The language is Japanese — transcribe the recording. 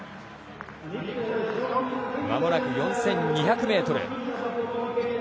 まもなく４２００ｍ。